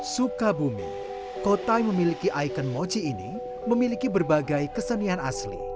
sukabumi kota yang memiliki ikon mochi ini memiliki berbagai kesenian asli